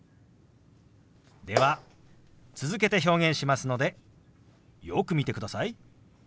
では続けて表現しますのでよく見てください。